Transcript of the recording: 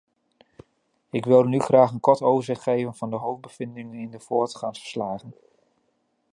Ik wilde nu graag een kort overzicht geven van de hoofdbevindingen in de voortgangsverslagen.